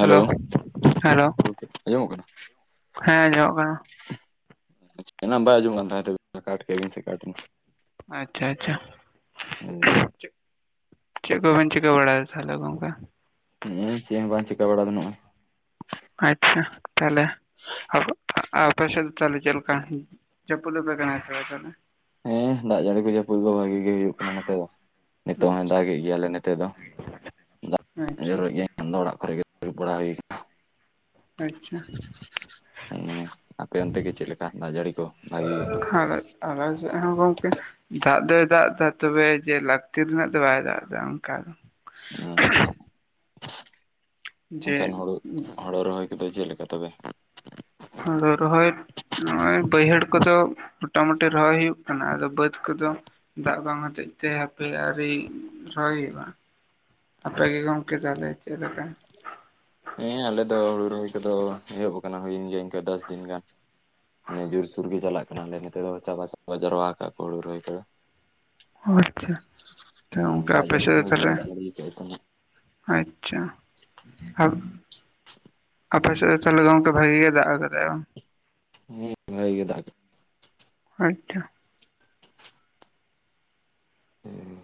Hello hello ᱟᱸᱡᱚᱢᱚᱜ ᱠᱟᱱᱟ ᱦᱮᱸ ᱟᱸᱡᱚᱢᱚᱜ ᱠᱟᱱᱟ ᱾ ᱮᱱᱟᱝ ᱵᱟᱭ ᱟᱸᱡᱚᱢ ᱠᱟᱱ ᱛᱟᱦᱮᱸ ᱛᱟᱹᱵᱤᱱᱟ ᱠᱟᱴ ᱠᱮᱭᱟ ᱵᱤᱱ ᱥᱮ ᱠᱟᱴ ᱮᱱᱟ ᱾ ᱟᱪᱪᱷᱟ ᱟᱪᱪᱷᱟ ᱾ [unintelligible] ᱪᱮ ᱪᱮᱜ ᱠᱚᱵᱤᱱ ᱪᱤᱠᱟᱹ ᱵᱟᱲᱟᱭ ᱮᱫᱟ ᱛᱟᱦᱚᱞᱮ ᱜᱚᱝᱠᱮ? ᱱᱮᱜᱼᱮ ᱪᱮᱜ ᱦᱚᱸ ᱵᱟᱝ ᱪᱤᱠᱟᱹ ᱵᱟᱲᱟ ᱜᱟᱱᱚᱜᱼᱟ ᱾ ᱟᱪᱪᱷᱟ ᱛᱟᱦᱚᱞᱮ ᱟᱫᱚ ᱟᱯᱮ ᱥᱮᱫ ᱛᱟᱦᱚᱞᱮ ᱪᱮᱫ ᱞᱮᱠᱟ ᱡᱟᱹᱯᱩᱫ ᱟᱯᱮ ᱠᱟᱱᱟᱭ ᱥᱮ ᱵᱟᱭ ᱛᱟᱦᱚᱞᱮ? ᱦᱮᱸ ᱫᱟᱜ ᱡᱟᱹᱲᱤ ᱠᱚ ᱡᱟᱹᱯᱩᱫ ᱫᱚ ᱵᱷᱟᱹᱜᱤ ᱜᱮ ᱦᱩᱭᱩᱜ ᱠᱟᱱᱟ ᱱᱚᱛᱮ ᱫᱚ ᱾ ᱱᱤᱛᱚᱜ ᱦᱚᱸᱭ ᱫᱟᱜᱮᱜ ᱜᱮᱭᱟ ᱟᱞᱮ ᱱᱮᱛᱮ ᱫᱚ ᱾ ᱟᱪᱪᱷᱟ ᱾ ᱡᱚᱨᱚᱜᱮᱫ ᱜᱮᱭᱟᱭ ᱮᱱᱠᱷᱟᱱ ᱫᱚ ᱚᱲᱟᱜ ᱠᱚᱨᱮ ᱜᱮ ᱫᱩᱲᱩᱵ ᱵᱟᱲᱟ ᱦᱩᱭ ᱟᱠᱟᱱᱟ ᱾ ᱟᱪᱪᱷᱟ ᱾ [unintelligible] ᱟᱯᱮ ᱚᱱᱛᱮ ᱜᱮ ᱪᱮᱫ ᱞᱮᱠᱟ ᱫᱟᱜ ᱡᱟᱹᱲᱤ ᱠᱚ ᱵᱷᱟᱹᱜᱤ ᱜᱮ? ᱟᱪᱪᱷᱟ ᱟᱞᱮ ᱟᱞᱮ ᱥᱮᱫ ᱦᱚᱸ ᱜᱚᱝᱠᱮ ᱫᱟᱜ ᱫᱚᱭ ᱫᱟᱜ ᱮᱫᱟ ᱛᱚᱵᱮ ᱡᱮ ᱞᱟᱹᱠᱛᱤ ᱨᱮᱱᱟᱜ ᱫᱚ ᱵᱟᱭ ᱫᱟᱜ ᱮᱫᱟ ᱚᱝᱠᱟ ᱫᱚ ᱾ ᱟᱪᱪᱷᱟ ᱡᱮ ᱮᱱᱠᱷᱟᱱ ᱦᱳᱲᱳ ᱦᱳᱲᱳ ᱨᱚᱦᱚᱭ ᱠᱚᱫᱚ ᱪᱮᱫ ᱞᱮᱠᱟ ᱛᱚᱵᱮ? ᱦᱳᱲᱳ ᱨᱚᱦᱚᱭ ᱱᱚᱜᱼᱚᱭ ᱵᱟᱹᱭᱦᱟᱹᱲ ᱠᱚᱫᱚ ᱢᱚᱴᱟᱢᱩᱴᱤ ᱨᱚᱦᱚᱭ ᱦᱩᱭᱩᱜ ᱠᱟᱱᱟ ᱟᱫᱚ ᱵᱟᱹᱫᱽ ᱠᱚᱫᱚ ᱫᱟᱜ ᱵᱟᱝ ᱦᱚᱛᱮᱡ ᱛᱮ ᱦᱟᱯᱮ ᱟᱹᱣᱨᱤ ᱨᱚᱦᱚᱭ ᱦᱩᱭᱩᱜᱼᱟ ᱾ ᱟᱯᱮ ᱜᱮ ᱜᱚᱝᱠᱮ ᱛᱟᱦᱚᱞᱮ ᱪᱮᱜ ᱞᱮᱠᱟ? ᱦᱮᱸ ᱟᱞᱮ ᱫᱚ ᱦᱳᱲᱳ ᱨᱚᱦᱚᱭ ᱠᱚᱫᱚ ᱮᱦᱚᱵ ᱟᱠᱟᱱᱟ ᱦᱩᱭᱮᱱ ᱜᱮᱭᱟ ᱮᱱᱠᱟᱹ ᱫᱚᱥ ᱫᱤᱱ ᱜᱟᱱ ᱾ ᱢᱟᱱᱮ ᱡᱩᱨᱥᱩᱨ ᱜᱮ ᱪᱟᱞᱟᱜ ᱠᱟᱱᱟ ᱟᱞᱮ ᱱᱤᱛᱮ ᱫᱚ ᱪᱟᱵᱟ ᱪᱟᱵᱟ ᱡᱟᱨᱣᱟ ᱟᱠᱟᱜ ᱠᱚ ᱦᱳᱲᱳ ᱨᱚᱦᱚᱭ ᱠᱚᱫᱚ ᱾ ᱟᱪᱪᱷᱟ ᱛᱚ ᱦᱩᱸ ᱜᱚᱝᱠᱮ ᱫᱟᱜ ᱟᱯᱮ ᱡᱟᱹᱲᱤ ᱥᱮᱫ ᱠᱚ ᱫᱚ ᱵᱷᱟᱜᱤ ᱜᱮ ᱛᱟᱦᱚᱞᱮ ᱾ ᱫᱟᱜ ᱡᱟᱹᱲᱤ ᱠᱮᱫ ᱛᱟᱦᱮᱱᱟ ᱟᱪᱪᱷᱟ ᱟᱨ ᱟᱯᱮ ᱥᱮᱫ ᱫᱚ ᱛᱟᱦᱚᱞᱮ ᱜᱚᱝᱠᱮ ᱵᱷᱟᱹᱜᱤ ᱜᱮ ᱫᱟᱜ ᱟᱠᱟᱫᱟᱭ ᱵᱟᱝ ᱾ ᱦᱮᱸ ᱵᱷᱟᱹᱜᱤ ᱜᱮ ᱫᱟᱜ ᱟᱠᱟᱭ ᱾ ᱟᱪᱪᱷᱟ ᱾ ᱦᱩᱸ ᱾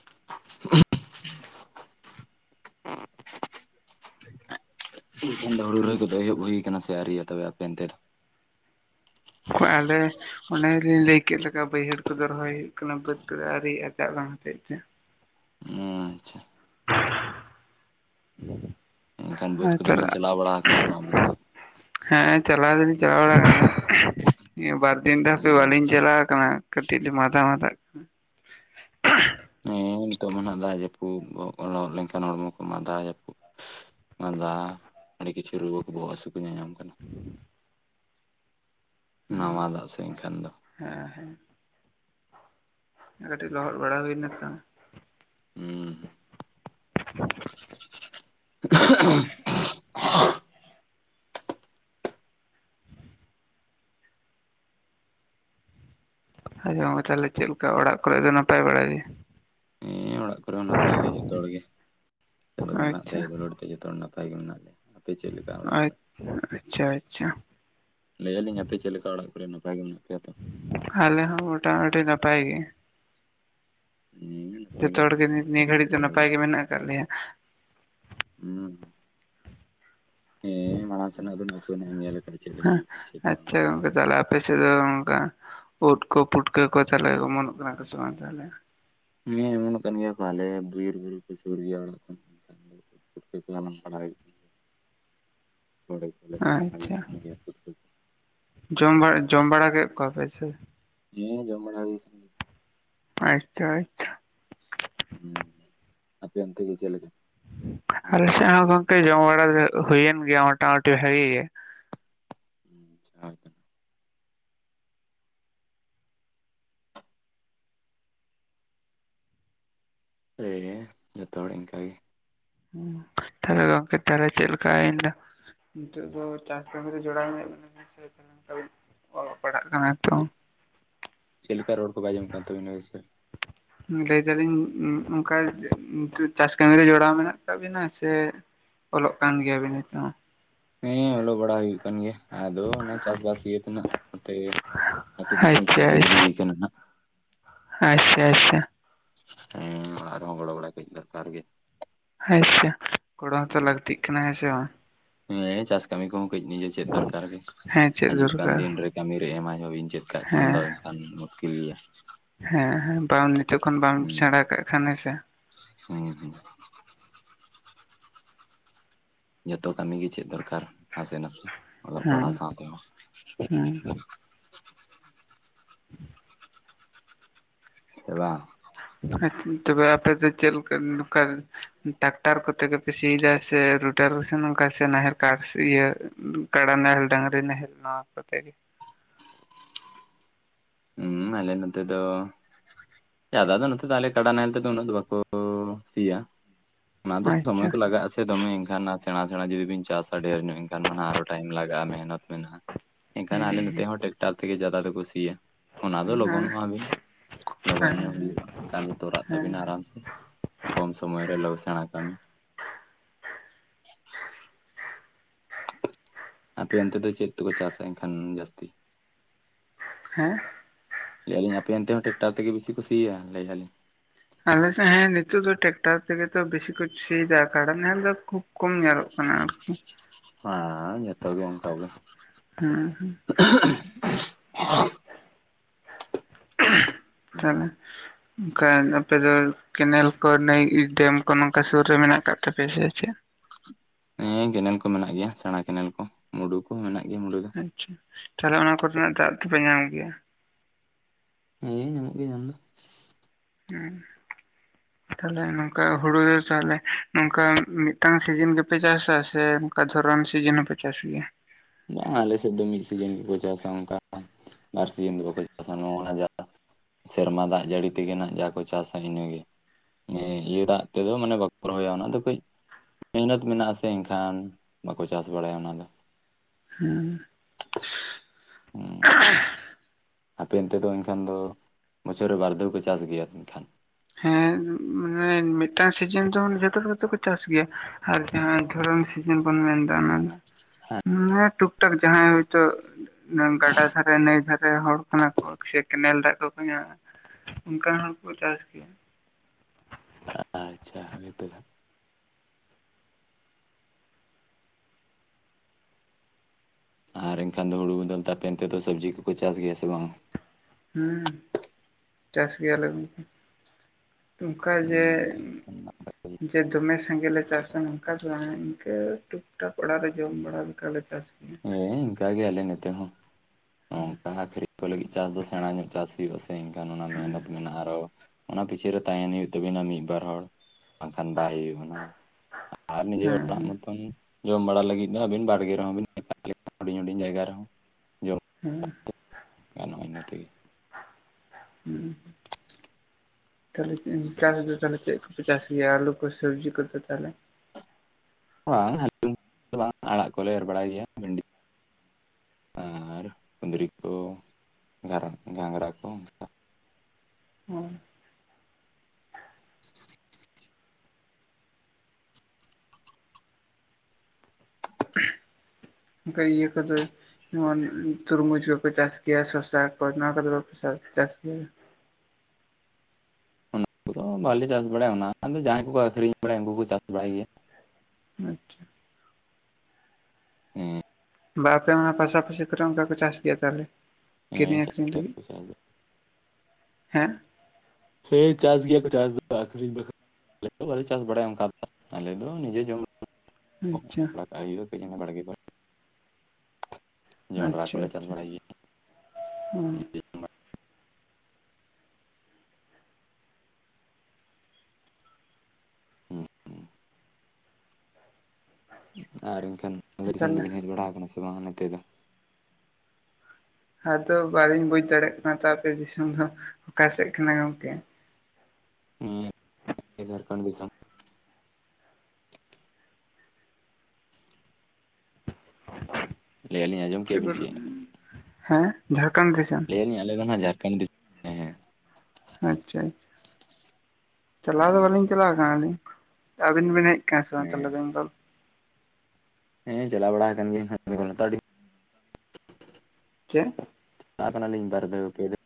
[inaudible] [inaudible] ᱟᱱ ᱫᱚ ᱦᱳᱲᱳ ᱨᱚᱦᱚᱭ ᱠᱚᱫᱚ ᱮᱦᱚᱵ ᱦᱩᱭ ᱠᱟᱱᱟ ᱥᱮ ᱟᱯᱮ ᱚᱱᱛᱮ ᱫᱚ ᱾ [unintelligible] ᱚᱱᱮᱞᱤᱧ ᱞᱟᱹᱭ ᱠᱮᱫ ᱞᱮᱠᱟ ᱵᱟᱹᱭᱦᱟᱹᱲ ᱠᱚᱫᱚ ᱨᱚᱦᱚᱭ ᱦᱩᱭᱩᱜ ᱠᱟᱱᱟ, ᱵᱟᱹᱫ ᱠᱚᱫᱚ ᱟᱣᱨᱤᱭᱟᱜᱼᱟ ᱫᱟᱜ ᱵᱟᱝ ᱟᱛᱮᱡ ᱛᱮ᱾ ᱟᱪᱪᱷᱟ ᱢᱮᱱᱠᱷᱟᱱ ᱵᱟᱹᱫᱽ ᱦᱮᱸ ᱠᱚᱫᱚ ᱛᱟᱦᱚᱞᱮ ᱵᱤᱱ ᱪᱟᱞᱟᱣ ᱵᱟᱲᱟ ᱟᱠᱟᱱᱟ ᱥᱮ ᱵᱟᱝ ᱟᱹᱵᱤᱱ ᱫᱚ? ᱦᱮᱸ ᱪᱟᱞᱟᱣ ᱫᱚᱞᱤᱧ ᱪᱟᱞᱟᱣ ᱵᱟᱲᱟ ᱠᱟᱱᱟ᱾ ᱱᱤᱭᱟᱹ ᱵᱟᱨᱫᱤᱱ ᱫᱚ ᱦᱟᱯᱮ ᱵᱟᱞᱤᱧ ᱟᱪᱪᱷᱟ ᱪᱟᱞᱟᱣ ᱠᱟᱱᱟ ᱠᱟᱴᱤᱡ ᱞᱤᱧ ᱢᱟᱫᱟ ᱢᱟᱫ ᱦᱮᱸ, ᱱᱤᱛᱚᱜ ᱢᱟ ᱱᱟᱜ ᱫᱟᱜ ᱡᱟᱹᱯᱩᱫ ᱚᱞᱚᱜ ᱞᱮᱱᱠᱷᱟᱱ ᱦᱚᱲᱢᱚ ᱠᱚᱢᱟ ᱫᱟᱜ ᱡᱟᱹᱯᱩᱫ᱾ ᱢᱟᱫᱟ ᱟᱲᱤ ᱠᱤᱪᱷᱩ ᱨᱩᱣᱟᱹ ᱠᱚ ᱵᱚᱦᱚᱜ ᱦᱟᱥᱩ ᱠ ᱠᱚ ᱧᱟᱧᱟᱢ ᱠᱟᱱᱟ ᱱᱟᱣᱟ ᱫᱟᱜ ᱥᱮ ᱮᱱ ᱠᱷᱟᱱ ᱫᱚ᱾ ᱦᱮᱸ ᱦᱮᱸ᱾ ᱟᱨ ᱠᱟᱹᱴᱤᱡ ᱞᱚᱦᱚᱫ ᱵᱟᱲᱟ ᱦᱩᱭᱱᱟ ᱛᱚ᱾ ᱦᱩᱸ [unintelligible] [unintelligible] ᱟᱪᱪᱷᱟ ᱜᱚᱝᱠᱮ ᱛᱟᱦᱚᱞᱮ ᱪᱮᱫ ᱞᱮᱠᱟ, ᱚᱲᱟᱜ ᱠᱚᱨᱮ ᱫᱚ ᱱᱟᱯᱟᱭ ᱵᱟᱲᱟ ᱜᱮ? ᱦᱮᱸ ᱚᱲᱟᱜ ᱠᱚᱨᱮ ᱦᱚᱸ ᱱᱟᱯᱟᱭ ᱜᱮ ᱡᱚᱛᱚ ᱦᱚᱲ ᱜᱮ, ᱪᱟᱸᱫᱚ ᱵᱚᱸᱜᱟᱣᱟᱜ ᱟᱪᱪᱷᱟ ᱫᱟᱭᱟ ᱫᱩᱞᱟᱹᱲ ᱛᱮ ᱡᱚᱛᱚ ᱦᱚᱲ ᱱᱟᱯᱟᱭ ᱜᱮ ᱢᱮᱱᱟᱜ ᱞᱮᱭᱟ, ᱟᱯᱮ ᱪᱮᱫ ᱞᱮᱠᱟ? ᱚᱲᱟᱜ ᱠᱚᱨᱮ? ᱟᱪ ᱟᱪᱪᱷᱟ ᱟᱪᱪᱷᱟ᱾ ᱞᱟᱹᱭ ᱫᱟᱞᱤᱧ ᱟᱯᱮ ᱪᱮᱫ ᱞᱮᱠᱟ ᱚᱲᱟᱜ ᱠᱚᱨᱮ, ᱱᱟᱯᱟᱭ ᱜᱮ ᱢᱮᱱᱟᱜ ᱯᱮᱭᱟ ᱛᱚ? ᱟᱞᱮ ᱦᱚᱸ ᱢᱚᱴᱟᱢᱩᱴᱤ ᱱᱟᱯᱟᱭ ᱜᱮ᱾ [unintelligible] ᱡᱚᱛᱚ ᱦᱚᱲᱜᱮ ᱛᱟᱦᱮᱸ ᱱᱤᱭᱟᱹ ᱫᱚᱨᱠᱟᱨ ᱜᱷᱟᱹᱲᱤᱡ ᱡᱚᱛᱚ ᱫᱚ ᱦᱚᱲ ᱱᱟᱯᱟᱭ ᱜᱮ ᱢᱮᱱᱟᱜ ᱟᱠᱟᱜ ᱞᱮᱭᱟ᱾ ᱦᱩᱸ᱾ ᱦᱮᱸ ᱢᱟᱲᱟᱝ ᱥᱮᱱᱟᱜ ᱟᱫᱚ ᱱᱚᱠᱩᱱᱟᱮ ᱧᱮᱞ ᱟᱠᱟᱫᱟ ᱪᱮᱫ ᱦᱩᱭᱩᱜᱼᱟ᱾ ᱜᱮ ᱚᱸᱰᱮ ᱪᱟᱞᱟᱜ ᱟᱯᱮ ᱥᱮᱫ ᱫᱚ ᱱᱚᱝᱠᱟ, ᱩᱫ ᱠᱚ ᱯᱩᱴᱠᱟᱹ ᱠᱚ ᱛᱟᱞᱮ ᱚᱢᱚᱱᱚᱜ ᱠᱟᱱᱟ ᱠᱚ ᱥᱮ ᱵᱟᱝ ᱛᱟᱦᱚᱞᱮ? ᱦᱮᱸ, ᱚᱢᱚᱱ ᱠᱟᱱ ᱜᱮᱭᱟ ᱠᱚ ᱟᱞᱮ ᱵᱤᱨ ᱵᱩᱨᱩ ᱠᱚ ᱥᱩᱨ ᱜᱮᱭᱟ ᱚᱲᱟᱜ ᱠᱷᱚᱱ᱾ ᱯᱩᱴᱠᱟᱹ ᱠᱚ ᱦᱟᱞᱟᱝ ᱵᱟᱲᱟᱭ ᱦᱩᱭᱩᱜ ᱠᱟᱱᱟ᱾ [inaudible] ᱥᱳᱲᱮ ᱠᱚᱞᱮ ᱟᱪᱪᱷᱟ [unintelligible] ᱯᱩᱴᱠᱟᱹ ᱠᱚ ᱾ ᱡᱚᱢ ᱵᱟᱲᱟ ᱡᱚᱢ ᱵᱟᱲᱟ ᱠᱮᱱ ᱠᱚᱣᱟᱯᱮ ᱥᱮ? ᱦᱮᱸ ᱡᱚᱢ ᱵᱲᱟᱲᱟ ᱦᱩᱭ ᱱᱟ᱾ ᱟᱪᱪᱷᱟ ᱟᱪᱪᱷᱟ᱾ ᱦᱩᱸ, ᱟᱯᱮ ᱚᱱᱛᱮ ᱜᱮ ᱪᱮᱫ ᱞᱮᱠᱟ? ᱚᱢᱚᱱᱚᱜ ᱟᱞᱮ ᱠᱟᱱᱟ ᱥᱮᱜ ᱠᱚ ᱥᱮ ᱦᱚᱸ ᱵᱟᱝ ᱜᱚᱝᱠᱮ ᱡᱚᱢ ᱵᱟᱲᱟ ᱫᱚ ᱦᱩᱭᱮᱱ ᱜᱮᱭᱟ ᱢᱳᱚᱴᱟᱢᱩᱴᱤ ᱵᱷᱟᱹᱜᱤ ᱜᱮ᱾ [unintelligible] ᱨᱮ ᱡᱚᱛᱚ ᱦᱚᱲ ᱤᱝᱠᱟ ᱜᱮ᱾ ᱚ ᱛᱟᱞᱮ ᱜᱚᱝᱠᱮ ᱛᱟᱮ ᱪᱮᱫ ᱞᱮᱠᱟ ᱤᱧᱫᱚ? ᱱᱤᱛᱚᱜ ᱫᱚ ᱪᱟᱥ ᱠᱟᱹᱢᱤ ᱨᱮ ᱡᱚᱲᱟᱣ [unintelligible] ᱞᱮᱱᱟ ᱚᱞᱚᱜ ᱯᱟᱲᱦᱟᱜ ᱠᱟᱱᱟ ᱛᱚ ᱾ ᱪᱮᱫ ᱞᱮᱠᱟ ᱨᱚᱲ ᱠᱚ ᱵᱟᱭ ᱟᱸᱡᱚᱢᱚᱜ ᱠᱟᱱ ᱛᱟᱵᱮᱱᱟ ᱮᱥᱮ? [inaudible] ᱞᱟᱹᱭ ᱫᱟᱞᱤᱧ ᱚᱝᱠᱟ ᱪᱟᱥ ᱠᱟᱹᱢᱤ ᱨᱮ ᱡᱚᱲᱟᱣ ᱢᱮᱱᱟᱜ ᱟᱠᱟᱜ ᱵᱤᱱᱟ ᱥᱮ ᱚᱞᱚᱜ ᱠᱟᱱ ᱜᱮᱭᱟ ᱵᱤ ᱱᱤᱛᱚᱜ ᱦᱚᱸ? ᱦᱮᱸ ᱚᱞᱚᱜ ᱵᱟᱲᱟᱜ ᱦᱩᱭᱩᱜ ᱠᱟᱱ ᱜᱮᱭᱟ, ᱟᱫᱚ ᱚᱱᱟ ᱪᱟᱥᱵᱟᱥ ᱤᱭᱟᱹ ᱛᱮᱱᱟ ᱱᱚᱛᱮ ᱜᱮ ᱟᱛᱩ ᱫᱤᱥᱚᱢ ᱟᱪᱪᱷᱟ ᱥᱮᱫ ᱦᱮᱡ ᱦᱩᱭ ᱠᱟᱱᱟ ᱦᱟᱜ᱾ ᱟᱪᱪᱷᱟ ᱟᱪᱪᱷᱟ᱾ ᱦᱮᱸ ᱚᱲᱟᱜ ᱨᱮᱦᱚᱸ ᱜᱚᱲᱚ ᱵᱟᱲᱟ ᱠᱟᱹᱡ ᱫᱚᱨᱠᱟᱨ ᱜᱮ᱾ ᱟᱪᱪᱷᱟ, ᱜᱚᱲᱚ ᱦᱚᱛᱚ ᱞᱟᱹᱠᱛᱤᱜ ᱠᱟᱱᱟ ᱦᱮᱸ ᱥᱮ ᱵᱟᱝ᱾ ᱦᱮᱸ ᱪᱟᱥ ᱠᱟᱹᱢᱤ ᱠᱚᱦᱚᱸ ᱠᱟᱹᱡ ᱱᱤᱡᱮ ᱪᱮᱫ ᱫᱚᱨᱠᱟᱨ ᱜᱮ ᱦᱮᱸ ᱪᱮᱫ ᱦᱤᱡᱩᱜ ᱠᱟᱱ ᱫᱚᱨᱠᱟᱨ ᱫᱤᱱ ᱨᱮ ᱠᱟᱹᱢᱤᱨᱮ ᱮᱢᱟᱭ ᱪᱮᱫ ᱠᱟᱜ ᱠᱷᱟᱱ ᱦᱮᱸ ᱫᱚ ᱮᱱᱠᱷᱟᱱ ᱢᱩᱥᱠᱤᱞ ᱜᱮᱭᱟ᱾ ᱦᱮᱸ ᱦᱮᱸ ᱵᱟᱢ ᱡᱚᱠᱷᱚᱱ ᱵᱟᱢ ᱥᱮᱬᱟ ᱠᱟᱜ ᱠᱷᱟᱱ ᱦᱮᱸᱥᱮ ᱦᱩᱸᱦᱩᱸ ᱡᱚᱛᱚ ᱠᱟᱹᱢᱤ ᱜᱮ ᱪᱮᱫ ᱫᱚᱨᱠᱟᱨ ᱱᱟᱥᱮ ᱱᱟᱥᱮ ᱚᱞᱚᱜ ᱯᱟᱲᱦᱟᱜ ᱦᱮᱸ ᱥᱟᱶ ᱛᱮᱦᱚᱸ ᱦᱮᱸ [inaudible] ᱥᱮ ᱵᱟᱝ, ᱟᱪᱪᱷᱟ ᱛᱚᱵᱮ ᱟᱯᱮ ᱫᱚ ᱪᱮᱫ ᱞᱮᱠᱟ ᱱᱚᱝᱠᱟ ᱴᱨᱟᱠᱴᱟᱨ ᱠᱚᱛᱮ ᱜᱮᱯᱮ ᱥᱤᱭ ᱫᱟ ᱥᱮ ᱨᱩᱴᱟᱨ ᱚᱱᱠᱟ ᱥᱮ ᱱᱟᱦᱮᱞ [unintelligible] ᱠᱟᱲᱟ ᱱᱟᱦᱮᱞ ᱰᱟᱝᱨᱤ ᱱᱟᱦᱮᱞ ᱱᱚᱣᱟ ᱠᱚᱛᱮᱫ ᱜᱮ ᱦᱩᱸ ᱟᱞᱮ ᱱᱚᱛᱮ ᱫᱚ, ᱡᱟᱫᱟ ᱫᱚ ᱱᱚᱛᱮ ᱫᱚ ᱟᱞᱮ ᱠᱟᱰᱟ ᱩᱱᱟᱜ ᱛᱮ ᱫᱚ ᱵᱟᱠᱚ ᱥᱤᱭᱟ᱾ ᱚᱱᱟ ᱫᱚ ᱥᱚᱢᱚᱭ ᱟᱪᱪᱷᱟ ᱠᱚ ᱞᱟᱜᱟᱜ-ᱟ ᱥᱮ ᱾ ᱫᱚᱢᱮ ᱤᱱᱠᱟᱹᱱ ᱥᱮᱸᱬᱟ ᱥᱮᱸᱬᱟ ᱡᱩᱫᱤ ᱵᱤᱱ ᱪᱟᱥᱟ ᱰᱷᱮᱨ ᱧᱚᱜ ᱮᱱᱠᱷᱟᱱ ᱟᱨᱚ ᱴᱟᱭᱤᱢᱟᱜᱼᱟ ᱢᱮᱦᱱᱚᱛ ᱢᱮᱱᱟᱜᱼᱟ ᱾ ᱮᱱᱠᱷᱟᱱ ᱟᱞᱮ ᱱᱚᱛᱮ ᱦᱩᱸ ᱦᱚᱸ ᱴᱮᱨᱟᱠᱴᱟᱨ ᱛᱮᱜᱮ ᱡᱟᱫᱟ ᱫᱚ ᱠᱚ ᱥᱤᱭᱟ ᱾ ᱚᱱᱟ ᱫᱚ ᱦᱩᱸ ᱞᱚᱜᱚᱱᱚᱜᱼᱟ ᱵᱤᱱ, ᱞᱚᱜᱚᱱ ᱦᱮᱸ ᱧᱚᱜ ᱦᱮᱸ ᱦᱩᱭᱩᱜᱼᱟ ᱠᱟᱹᱢᱤ ᱛᱚᱨᱟᱜ ᱦᱮᱸ ᱛᱟᱹᱵᱤᱱᱟ ᱟᱨᱟᱢ ᱥᱮ ᱾ ᱠᱚᱢ ᱥᱚᱢᱚᱭ ᱨᱮ ᱞᱚᱜ ᱥᱮᱸᱬᱟ ᱠᱟᱜ ᱢᱮ ᱾ [unintelligible] ᱟᱯᱮ ᱚᱱᱛᱮ ᱫᱚ ᱪᱮᱫ ᱛᱮᱠᱚ ᱪᱟᱥᱟ ᱮᱱᱠᱷᱟᱱ ᱡᱟᱹᱥᱛᱤ ᱦᱮᱸ ᱞᱟᱹᱭᱮᱫᱟᱞᱤᱧ ᱟᱯᱮ ᱚᱱᱛᱮ ᱦᱚᱸ ᱴᱮᱠᱴᱟᱨ ᱛᱮᱜᱮ ᱵᱤᱥᱤ ᱥᱤᱭᱟ ᱞᱟᱹᱭᱟᱞᱤᱧ ᱾ ᱟᱞᱮᱥᱮᱫ ᱦᱮᱸ ᱱᱤᱛᱚᱜ ᱫᱚ ᱴᱮᱠᱴᱟᱨ ᱛᱮᱜᱮᱛᱚ ᱵᱮᱥᱤ ᱠᱚ ᱥᱤᱭᱫᱟ ᱠᱟᱰᱟ ᱱᱟᱦᱮᱞ ᱫᱚ ᱠᱷᱩᱵ ᱠᱚᱢ ᱧᱮᱞᱚᱜ ᱠᱟᱱᱟ ᱟᱹᱨᱠᱤ ᱾ ᱦᱮᱸ ᱡᱚᱛᱚ ᱜᱮ ᱚᱱᱠᱟᱜ ᱜᱮ ᱦᱮᱸ ᱦᱮᱸ [unintelligible] ᱠᱷᱟᱱ ᱟᱯᱮ ᱫᱚ ᱠᱮᱱᱮᱞ ᱠᱚ ᱱᱟᱹᱭ ᱰᱮᱢ ᱠᱚ ᱱᱚᱝᱠᱟ ᱥᱩᱨ ᱨᱮ ᱢᱮᱱᱟᱜ ᱟᱠᱟᱫ ᱛᱟᱯᱮᱭᱟ ᱥᱮ ᱪᱮᱫ ᱦᱮᱸ ᱠᱮᱱᱮᱞ ᱠᱚ ᱢᱮᱱᱟᱜ ᱜᱮᱭᱟ ᱥᱮᱬᱟ ᱠᱮᱱᱮᱞ ᱠᱚ ᱢᱩᱰᱩ ᱠᱚᱦᱚᱸ ᱢᱮᱱᱟᱜ ᱜᱮᱭᱟ ᱢᱩᱰᱩ ᱫᱚ ᱟᱪᱪᱷᱟ ᱛᱟᱦᱚᱞᱮ ᱚᱱᱟ ᱠᱚᱨᱮᱱᱟᱜ ᱫᱟᱜ ᱫᱚᱯᱮ ᱧᱟᱢ ᱜᱮᱭᱟ ᱾ ᱦᱮᱸ ᱧᱟᱢᱚᱜ ᱜᱮᱭᱟ ᱧᱟᱢ ᱫᱚ ᱾ ᱦᱮᱸ ᱛᱟᱦᱞᱮ ᱱᱚᱝᱠᱟ ᱦᱩᱲᱩ ᱫᱚ ᱛᱟᱦᱚᱞᱮ ᱱᱚᱝᱠᱟ ᱢᱤᱫᱴᱟᱝ ᱥᱤᱡᱤᱱ ᱜᱮᱯᱮ ᱪᱟᱥᱟ, ᱥᱮ ᱫᱷᱚᱨᱚᱱ ᱥᱤᱡᱤᱱ ᱦᱚᱸ ᱯᱮ ᱪᱟᱥ ᱜᱮᱭᱟ᱾ ᱵᱟᱝ ᱟᱞᱮᱥᱮᱫ ᱫᱚ ᱢᱤᱫ ᱥᱤᱡᱤᱱ ᱜᱮᱠᱚ ᱪᱟᱥᱟ ᱚᱱᱠᱟ ᱵᱟᱨ ᱥᱤᱡᱤᱱ ᱫᱚ ᱵᱟᱠᱚ ᱪᱟᱥᱟ, ᱱᱚᱜᱼᱱᱟ ᱡᱟ ᱥᱮᱨᱢᱟ ᱫᱟᱜ ᱡᱟᱹᱲᱤ ᱛᱮᱜᱮ ᱱᱟᱜ ᱡᱟ ᱠᱚ ᱪᱟᱥᱟ ᱤᱱᱟᱹᱜᱮ ᱾ ᱦᱮᱸ ᱤᱭᱟᱹ ᱫᱟᱜ ᱛᱮᱫᱚ ᱢᱟᱱᱮ ᱵᱟᱠᱚ ᱨᱚᱦᱚᱭᱟ, ᱚᱱᱟ ᱫᱚ ᱠᱟᱹᱡ ᱢᱮᱦᱱᱚᱛ ᱢᱮᱱᱟᱜᱥᱮ ᱮᱱᱠᱷᱟᱱ ᱵᱟᱠᱚ ᱪᱟᱥ ᱵᱟᱲᱟᱭᱟ ᱚᱱᱟ ᱫᱚ ᱾ ᱦᱮᱸ ᱦᱮᱸ ᱦᱟᱯᱮᱱ ᱛᱮ ᱫᱚ ᱮᱱᱠᱷᱟᱱ ᱫᱚ ᱵᱚᱪᱷᱚᱨ ᱨᱮ ᱵᱟᱨ ᱫᱷᱟᱣ ᱠᱚ ᱪᱟᱥ ᱜᱮᱭᱟ ᱮᱱᱠᱷᱟᱱ ᱾ ᱦᱮᱸ ᱢᱟᱱᱮ ᱢᱤᱫᱴᱟᱝ ᱥᱤᱡᱮᱱ ᱫᱚ ᱡᱚᱛᱚ ᱦᱚᱲ ᱜᱮ ᱛᱚᱠᱚ ᱪᱟᱥ ᱜᱮᱭᱟ ᱾ ᱟᱨ ᱡᱟᱦᱟᱸ ᱫᱷᱚᱨᱚᱱ ᱥᱤᱡᱤᱱ ᱵᱚᱱ ᱢᱮᱱᱫᱟ ᱚᱱᱟ [unintelligible] ᱦᱮᱸ ᱴᱩᱠ ᱴᱟᱠ ᱡᱟᱦᱟᱸᱭ ᱦᱳᱭᱛᱚ ᱜᱟᱰᱟ ᱫᱷᱟᱨᱮ ᱱᱟᱹᱭ ᱫᱷᱟᱨᱮ ᱦᱚᱲ ᱠᱟᱱᱟ ᱠᱚ᱾ ᱥᱮ ᱠᱮᱱᱮᱞ ᱫᱟᱜ ᱠᱚᱠᱚ ᱧᱟᱢᱟ ᱚᱱᱠᱟ ᱦᱚᱲᱠᱚ ᱪᱟᱥ ᱜᱮᱭᱟ ᱟᱪᱪᱷᱟ ᱦᱳᱭ ᱛᱚ᱾ ᱟᱨ ᱮᱱᱠᱷᱟᱱ ᱫᱚ ᱦᱩᱲᱩ ᱵᱚᱫᱚᱞ ᱟᱯᱮ ᱚᱱᱛᱮ ᱫᱚ ᱥᱚᱵᱡᱤ ᱠᱚᱠᱚ ᱪᱟᱥ ᱜᱮᱭᱟ ᱥᱮ ᱵᱟᱝ ᱦᱩᱸ ᱪᱟᱥ ᱜᱮᱭᱟᱞᱮ ᱜᱚᱝᱠᱮ᱾ ᱚᱝᱠᱟ ᱡᱮ ᱡᱮ ᱫᱚᱢᱮ ᱥᱸᱜᱮᱞᱮ ᱪᱟᱥᱟ ᱱᱚᱝᱠᱟ ᱫᱚ ᱵᱟᱝ ᱤᱱᱠᱟᱹ ᱴᱩᱠ ᱴᱟᱠ ᱚᱲᱟᱜ ᱨᱮ ᱡᱚᱢ ᱵᱟᱲᱟ ᱞᱮᱠᱟᱞᱮ ᱪᱟᱥ ᱜᱮᱭᱟ᱾ ᱦᱮᱸ ᱤᱱᱠᱟ ᱜᱮᱭᱟᱞᱮ ᱱᱚᱛᱮ ᱦᱚᱸ ᱝᱠᱟ ᱠᱷᱨᱤᱧ ᱠᱚ ᱞᱟᱹᱜᱤᱫ ᱪᱟᱥ ᱫᱚ ᱥᱮᱬᱟ ᱧᱚᱜ ᱪᱟᱥ ᱦᱩᱭᱩᱜ ᱟᱥᱮ᱾ ᱮᱱᱠᱷᱟᱱ ᱚᱱᱟ ᱦᱮᱸ ᱢᱮᱦᱱᱚᱛ ᱢᱮᱱᱟᱜᱼᱟ ᱟᱨᱚ ᱚᱱᱟ ᱯᱤᱪᱷᱟᱹ ᱨᱮ ᱛᱟᱦᱮᱱ ᱦᱩᱭᱩᱜ ᱛᱟᱹᱵᱤᱱᱟ ᱢᱤᱫ ᱵᱟᱨ ᱦᱚᱲ᱾ ᱵᱟᱝᱠᱷᱟᱱ ᱵᱟᱭ ᱦᱩᱭᱩᱜ -ᱟ ᱚᱱᱟ ᱟᱨ ᱱᱤᱡᱮ ᱚᱲᱟᱜ ᱦᱮᱸ ᱢᱚᱛᱚᱱ ᱡᱚᱢ ᱵᱟᱲᱟ ᱞᱟᱹᱜᱤᱫ ᱫᱚ ᱟᱹᱵᱤᱱ ᱵᱟᱲᱜᱮ ᱨᱮᱦᱚ ᱵᱤᱱ ᱦᱩᱰᱤᱧ ᱦᱩᱰᱤᱧ ᱡᱟᱭᱜᱟ ᱨᱮᱦᱚᱸ ᱡᱚᱢ ᱦᱮᱸ ᱜᱟᱱᱚᱜᱼᱟ ᱤᱱᱟᱹ ᱛᱮᱜᱮ᱾ ᱛᱟᱦᱞᱮ ᱪᱟᱥ ᱫᱚ ᱛᱟᱦᱞᱮ ᱪᱮᱫ ᱠᱚ? ᱪᱟᱥ ᱜᱮᱭᱟ ᱟᱞᱩ ᱠᱚ ᱥᱚᱵᱡᱤ ᱠᱚᱫᱚ ᱛᱟᱦᱚᱞᱮ᱾ ᱵᱟᱝ [inaudible] ᱵᱟᱝ ᱟᱲᱟᱜ ᱠᱚᱞᱮ ᱮᱨ ᱵᱟᱲᱟᱭ ᱜᱮᱭᱟ ᱵᱷᱮᱱᱰᱤ᱾ ᱟᱨ ᱠᱩᱸᱫᱽᱨᱤ ᱠᱚ ᱜᱷᱟᱸᱜᱽᱨᱟ ᱠᱚ᱾ ᱚ ᱚᱱᱠᱟ ᱤᱭᱟᱹ ᱠᱚᱫᱚ ᱡᱮᱢᱚᱱ ᱛᱩᱨᱢᱩᱡᱽ ᱠᱚᱠᱚ ᱪᱟᱥ ᱜᱮᱭᱟ ᱥᱚᱥᱟ ᱠᱚ ᱚᱱᱟ ᱠᱚᱫᱚ ᱵᱟᱞᱮ ᱪᱟᱥ ᱜᱮᱭᱟ ᱥᱮ? ᱚᱱᱟ ᱠᱚᱫᱚ ᱵᱟᱞᱮ ᱪᱟᱥ ᱵᱟᱲᱟᱭᱟ ᱚᱱᱟ ᱟᱫᱚ ᱡᱟᱦᱟᱸᱭ ᱠᱚᱠᱚ ᱟᱹᱠᱷᱨᱤᱧ ᱵᱟᱲᱟᱭᱟ ᱩᱱᱠᱩ ᱠᱚ ᱪᱟᱥ ᱵᱟᱲᱟᱭ ᱜᱮᱭᱟ᱾ ᱟᱪᱪᱷᱟ᱾ ᱦᱮᱸ᱾ ᱟᱯᱮ ᱚᱱᱟ ᱯᱟᱥᱟᱯᱟᱥᱤ ᱠᱚᱨᱮ ᱚᱱᱠᱟ ᱠᱚ ᱪᱟᱥ ᱜᱮᱭᱟ ᱛᱟᱦᱚᱞᱮ ᱦᱮᱸ ᱠᱤᱨᱤᱧ ᱪᱟᱥ ᱟᱹᱠᱷᱨᱤᱧ ᱜᱮᱭᱟ ᱠᱚ ᱞᱟᱹᱜᱤᱫ ᱪᱟᱥ ᱫᱚ ᱦᱮᱸ᱾ ᱦᱮᱸ ᱪᱟᱥ ᱜᱮᱭᱟ ᱠᱚ ᱪᱟᱥ ᱫᱚ ᱟᱹᱠᱷᱨᱤᱧ ᱵᱟᱠᱷᱨᱟ᱾ ᱟᱞᱮ ᱫᱚ ᱵᱟᱞᱮ ᱪᱟᱥ ᱵᱟᱲᱟᱭᱟ ᱚᱱᱠᱟ ᱫᱚ ᱟᱞᱮ ᱫᱚ ᱱᱤᱡᱮ ᱡᱮᱢᱚᱱ ᱟᱪᱪᱷᱟ᱾ [inaudible] ᱡᱚᱱᱰᱨᱟ ᱟᱪᱪᱷᱟ ᱠᱚᱞᱮ ᱪᱟᱥ ᱟᱪᱪᱷᱟ ᱵᱟᱲᱟᱭ ᱜᱮᱭᱟ ᱦᱩᱸ᱾ ᱦᱩᱸ ᱦᱩᱸ᱾ ᱟᱨ ᱮᱱᱠᱷᱟᱱ ᱟᱞᱮ ᱫᱤᱥᱚᱢ ᱛᱟᱦᱞᱮ ᱫᱚᱵᱤᱱ ᱦᱮᱡ ᱵᱟᱲᱟ ᱠᱟᱱᱟ ᱥᱮ ᱵᱟᱝ ᱱᱚᱛᱮ ᱫᱚ᱾ ᱟᱫᱚ ᱵᱟᱞᱤᱧ ᱵᱩᱡ ᱫᱟᱲᱮᱭᱟᱜ ᱠᱟᱱᱟ ᱛᱚ ᱟᱯᱮ ᱫᱤᱥᱚᱢ ᱫᱚ ᱚᱠᱟ ᱥᱮᱫ ᱠᱟᱱᱟ ᱜᱚᱝᱠᱮ᱾ ᱦᱩᱸᱢ [inaudible] ᱡᱷᱟᱨᱠᱷᱚᱱᱸᱰ ᱫᱤᱥᱚᱢ ᱞᱟᱹᱭ ᱟᱹᱞᱤᱧ ᱟᱸᱡᱚᱢ ᱠᱮᱜᱼᱟ ᱵᱤᱱ ᱪᱮ ᱦᱮᱸ ᱡᱷᱟᱲᱠᱷᱚᱸᱰ ᱫᱤᱥᱚᱢ᱾ ᱞᱟᱹᱭ ᱜᱟᱱᱚᱜ-ᱟ ᱡᱷᱟᱲᱠᱷᱚᱸᱰ ᱫᱤᱥᱚᱢ᱾ ᱦᱮᱸ ᱟᱪᱪᱷᱟ ᱪᱟᱞᱟᱣ ᱫᱚ ᱵᱟᱹᱞᱤᱧ ᱪᱟᱞᱟᱣ ᱟᱠᱟᱱᱟ ᱟᱹᱵᱤᱱ ᱵᱤᱱ ᱦᱮᱡ [inaudible] ᱦᱮᱸ ᱦᱮᱸ ᱪᱟᱞᱟᱣ ᱵᱟᱲᱟ ᱠᱟᱱ ᱜᱮᱭᱟᱞᱤᱧ [inaudible] ᱪᱮᱫ? [inaudible]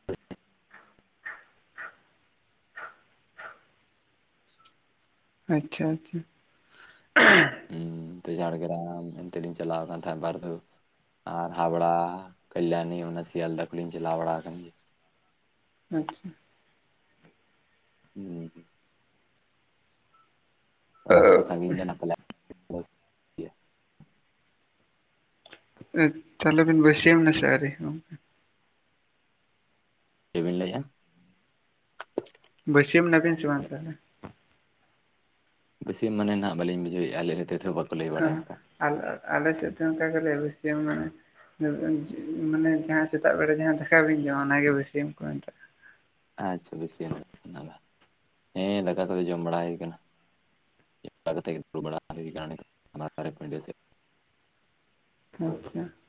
ᱟᱪᱪᱷᱟ ᱟᱪᱪᱷᱟ ᱾ ᱦᱮᱸ ᱚᱱᱛᱮ ᱡᱷᱟᱲᱜᱨᱟᱢ ᱚᱱᱛᱮ ᱞᱤᱧ ᱪᱟᱞᱟᱣ ᱟᱠᱟᱱᱟ ᱵᱟᱨᱫᱷᱟᱮ ᱟᱨ ᱦᱟᱣᱲᱟ ᱠᱟᱞᱞᱟᱱᱤ ᱚᱱᱟ ᱥᱮᱭᱟᱞᱫᱟ ᱠᱚᱞᱤᱧ ᱪᱟᱞᱟᱣ ᱵᱟᱲᱟᱣ ᱠᱟᱱ ᱜᱮᱭᱟ᱾ ᱦᱩᱸ ᱦᱩᱸ᱾ ᱦᱩᱸ ᱦᱩᱸ᱾ ᱚᱱᱟ ᱠᱚᱫᱚ ᱥᱟᱹᱜᱤᱧ ᱜᱮᱭᱟ ᱯᱟᱞᱮᱱ? ᱛᱟᱦᱚᱞᱮ ᱵᱤᱱ ᱵᱟᱹᱥᱤᱭᱟᱹᱢ ᱱᱟ ᱥᱮ ᱟᱹᱣᱨᱤ ᱪᱮᱫ ᱵᱤᱱ ᱞᱟᱹᱭᱼᱟ? ᱵᱟᱹᱥᱭᱟᱹᱢ ᱱᱟᱵᱤᱱ ᱥᱮ ᱵᱟᱝ ᱛᱟᱦᱚᱞᱮ? ᱵᱟᱹᱥᱤᱭᱟᱹᱢ ᱢᱟᱱᱮ ᱱᱟᱦᱟᱜ ᱵᱟᱹᱞᱤᱧ ᱵᱩᱡᱟᱹᱣᱮᱫᱼᱟ ᱟᱞᱮ [inaudible] ᱚᱱᱠᱟ ᱟᱞᱮ ᱥᱮᱫ ᱫᱚ ᱚᱱᱠᱟ ᱜᱮᱞᱮ [inaudible] ᱢᱟᱱᱮ ᱡᱟᱦᱟᱸ ᱥᱮᱛᱟᱜ ᱵᱮᱲᱟ ᱡᱟᱦᱟᱸ ᱫᱟᱠᱟ ᱵᱤᱱ ᱡᱚᱢᱟ ᱚᱱᱟᱜᱮ ᱵᱟᱹᱥᱭᱟᱹᱢ ᱠᱚ ᱢᱮᱛᱟᱜᱼᱟ᱾ ᱟᱪᱪᱷᱟ ᱵᱟᱹᱥᱭᱟᱹᱢ ᱦᱮᱸ ᱫᱟᱠᱟ ᱠᱚᱫᱚ ᱡᱚᱢ ᱵᱟᱲᱟ ᱦᱩᱭ ᱟᱠᱟᱱᱟ᱾ ᱡᱚᱢ ᱵᱟᱲᱟ ᱠᱟᱛᱮ ᱜᱮ ᱫᱩᱲᱩᱵ ᱵᱟᱲᱟ ᱦᱩᱭ ᱟᱠᱟᱱᱟ [inaudible] ᱥᱮᱫ [unintelligible]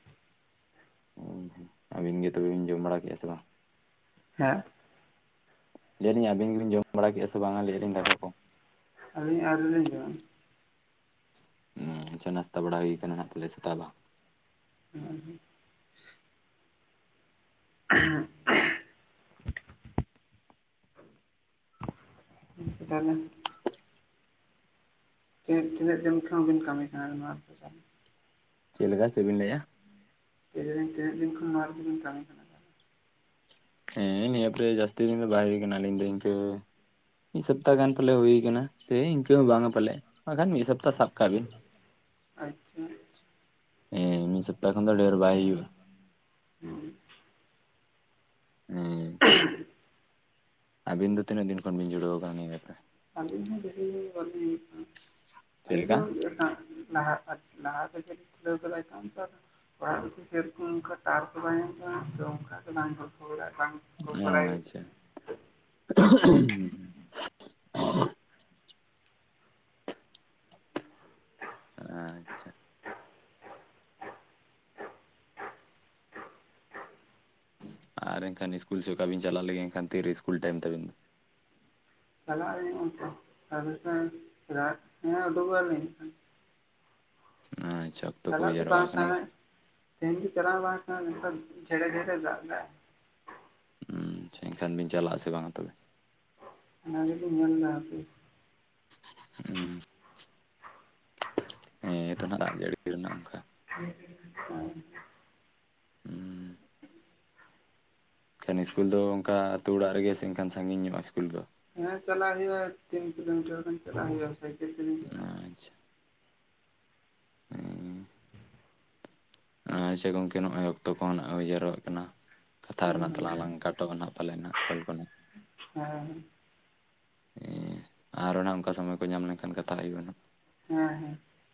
ᱟᱵᱤᱱ ᱜᱮ ᱛᱚᱵᱮ ᱵᱤᱱ ᱡᱚᱢ ᱵᱟᱲᱟ ᱠᱮᱜᱼᱟ ᱥᱮ ᱵᱟᱝ ᱦᱮᱸ ᱞᱟᱹᱭ ᱫᱤᱧ ᱟᱵᱤᱱ ᱜᱮᱵᱤᱱ ᱡᱚᱢ ᱵᱟᱲᱟ ᱠᱮᱜᱼᱟ ᱥᱮ ᱵᱟᱝ ᱞᱟᱹᱭ ᱫᱟᱹᱧ ᱫᱟᱠᱟ ᱠᱚ ᱟᱹᱞᱤᱧ ᱟᱹᱣᱨᱤ ᱞᱤᱧ ᱡᱚᱢᱟ ᱦᱮᱸ ᱪᱟ ᱱᱟᱥᱛᱟ ᱵᱟᱲᱟ ᱦᱩᱭ ᱠᱟᱱᱟ ᱯᱟᱞᱮ ᱥᱮᱛᱟᱜ ᱫᱚ ᱦᱮᱸ [unintelligible] [inaudible] ᱛᱤᱱᱟᱹᱜ ᱫᱤᱱ ᱠᱷᱚᱱ ᱵᱤᱱ ᱠᱟᱹᱢᱤ ᱠᱟᱱᱟ ᱱᱚᱣᱟ ᱪᱮᱫ ᱞᱮᱠᱟ ᱪᱮᱫᱵᱤᱱ ᱞᱟᱹᱭᱮᱜᱼᱟ ᱞᱟᱹᱭ ᱫᱟᱹᱞᱤᱧ ᱛᱤᱱᱟᱹᱜ ᱫᱤᱱ ᱠᱷᱚᱱ ᱱᱚᱣᱟ ᱨᱮ ᱫᱚ ᱵᱤᱱ ᱠᱟᱹᱢᱤ ᱠᱟᱱᱟ ᱦᱮᱸ ᱱᱤᱭᱟᱹ ᱮᱯᱨᱮ ᱡᱟᱹᱥᱛᱤ ᱫᱤᱱ ᱫᱚ ᱵᱟᱭ ᱦᱩᱭ ᱠᱟᱱᱟ ᱟᱹᱞᱤᱧ ᱫᱚ ᱤᱱᱠᱟᱹ ᱢᱤᱫ ᱥᱚᱯᱛᱟᱦ ᱜᱟᱱ ᱯᱟᱞᱮ ᱦᱩᱭ ᱟᱠᱟᱱᱟ ᱥᱮ ᱤᱱᱠᱟᱹ ᱦᱚᱸ ᱵᱟᱝᱟ ᱯᱟᱞᱮ ᱵᱟᱠᱷᱟᱱ ᱢᱤᱫ ᱥᱚᱯᱛᱟᱦ ᱥᱟᱵ ᱠᱟᱜ ᱵᱤᱱ᱾ ᱟᱪᱪᱷᱟ ᱦᱮᱸ ᱢᱤᱫ ᱥᱚᱯᱛᱟᱦ ᱠᱷᱚᱱ ᱫᱚ ᱰᱷᱮᱨ ᱵᱟᱭ ᱦᱩᱭᱩᱜᱼᱟ᱾ ᱦᱮᱸ ᱦᱮᱸ [unintelligible] ᱟᱹᱵᱤᱱ ᱫᱚ ᱛᱤᱱᱟᱹᱜ ᱫᱤᱱ ᱠᱷᱚᱱ ᱵᱤᱱ ᱡᱩᱲᱟᱹᱣ ᱟᱠᱟᱱᱟ ᱱᱤᱭᱟᱹ ᱮᱯᱨᱮ ᱟᱹᱞᱤᱧ ᱦᱚᱸ ᱵᱮᱥᱤ ᱵᱟᱞᱤᱧ ᱦᱩᱭᱩᱜ ᱠᱟᱱᱟ ᱪᱮᱫ ᱟᱞᱮ ᱫᱚ ᱞᱮᱠᱟ [inaudible] ᱞᱟᱦᱟ ᱛᱮ ᱜᱮ [inaudible] ᱚᱲᱟᱜ ᱨᱮ ᱫᱚ ᱥᱮᱨᱚᱠᱚᱢ ᱚᱱᱠᱟ ᱴᱟᱣᱟᱨ ᱠᱚ ᱵᱟᱭ ᱧᱟᱢ ᱛᱚ ᱚᱱᱠᱟ ᱫᱚ ᱵᱟᱝ ᱜᱚᱞᱯᱷᱚ ᱵᱟᱲᱟ‌ ᱵᱟᱝ ᱠᱚᱞ ᱵᱟᱲᱟᱭ ᱟᱪᱪᱷᱟ ᱟᱪᱪᱷᱟ ᱟᱨ ᱮᱱᱠᱷᱟᱱ ᱤᱥᱠᱩᱞ ᱪᱚᱠᱟᱵᱤᱱ ᱪᱟᱞᱟᱜ ᱞᱮᱜ ᱮᱱᱠᱷᱟᱱ ᱛᱤᱨᱮ ᱤᱥᱠᱩᱞ ᱴᱟᱭᱤᱢ ᱛᱟᱵᱤᱱ ᱪᱟᱞᱟᱜ ᱟᱹᱞᱤᱧ [inaudible] ᱟᱪᱪᱷᱟ ᱚᱠᱛᱚ ᱠᱚ ᱪᱟᱞᱟᱜ ᱦᱩᱭ ᱫᱚ ᱡᱟᱣᱨᱟ ᱵᱟᱝ ᱟᱠᱟᱱᱟ ᱥᱟᱱᱟ [inaudible] ᱛᱮᱦᱮᱧ ᱫᱚ ᱪᱟᱞᱟᱣ ᱦᱚᱸ ᱵᱟᱝ ᱥᱟᱱᱟ ᱢᱮᱱᱠᱷᱟᱱ ᱡᱷᱮᱲᱮ ᱡᱷᱮᱲᱮ ᱫᱟᱜ ᱫᱟᱭ ᱦᱮᱸ ᱮᱱᱠᱷᱟᱱ ᱵᱤᱱ ᱪᱟᱞᱟᱜ ᱟᱥᱮ ᱵᱟᱝ ᱛᱚᱵᱮ? ᱚᱱᱟ ᱜᱮᱞᱮᱧ ᱧᱮᱞ ᱮᱫᱟ ᱦᱟᱯᱮ ᱦᱩᱸ ᱦᱮᱸ ᱛᱚ ᱱᱟᱜ ᱫᱟᱜ ᱡᱟᱹᱲᱤ ᱨᱮᱱᱟᱜ ᱚᱱᱠᱟ [inaudible] ᱦᱩᱸ ᱮᱱᱠᱷᱟᱱ ᱥᱠᱩᱞ ᱫᱚ ᱚᱱᱠᱟ ᱟᱹᱛᱩ ᱚᱲᱟᱜ ᱨᱮᱜᱮ ᱥᱮ ᱮᱱᱠᱷᱟᱱ ᱥᱟᱺᱜᱤᱧ ᱧᱚᱜᱼᱟ ᱥᱠᱩᱞ ᱫᱚ? ᱦᱮᱸ ᱪᱟᱞᱟᱜ ᱦᱩᱭᱩᱜᱼᱟ ᱛᱤᱱ ᱠᱤᱞᱳᱢᱤᱴᱟᱨ ᱜᱟᱱ ᱪᱟᱞᱟᱜ ᱦᱩᱭᱩᱜᱼᱟ ᱥᱟᱭᱠᱮᱞ ᱛᱮᱞᱤᱧ ᱪᱟᱞᱟᱜᱼᱟ ᱟᱪᱪᱷᱟ ᱮᱸᱻ ᱟᱪᱪᱷᱟ ᱜᱚᱝᱠᱮ ᱱᱚᱜᱼᱚᱭ ᱚᱠᱛᱚ ᱠᱚᱦᱚᱸ ᱱᱟᱜ ᱦᱩᱭ ᱡᱟᱣᱨᱟᱜ ᱠᱟᱱᱟ ᱠᱟᱛᱷᱟ ᱦᱮᱸ ᱨᱮᱱᱟᱜ ᱛᱟᱞᱟᱝ ᱦᱩᱭᱩᱜᱼᱟ ᱦᱮᱸ ᱟᱞᱟᱝ ᱠᱟᱴᱚᱜᱼᱟ ᱦᱟᱸᱜ ᱯᱟᱞᱮᱜ ᱱᱟᱸᱜ ᱠᱚᱞ ᱠᱚ ᱦᱚᱸ ᱦᱮᱸ ᱟᱨᱚ ᱦᱚᱸ ᱱᱟᱜ ᱚᱱᱠᱟ ᱥᱚᱢᱚᱭ ᱠᱚ ᱧᱟᱢ ᱞᱮᱱᱠᱷᱟᱱ ᱠᱟᱛᱷᱟᱜ ᱦᱩᱭᱩᱜᱼᱟ ᱱᱟᱜ ᱦᱮᱸ-ᱦᱮᱸ᱾